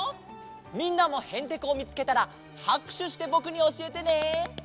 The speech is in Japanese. みんなもヘンテコをみつけたらはくしゅしてぼくにおしえてね。